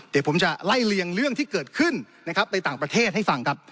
เดี๋ยวผมจะไล่เลียงเรื่องที่เกิดขึ้นนะครับในต่างประเทศให้ฟังครับ